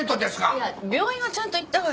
いや病院はちゃんと行ったわよ。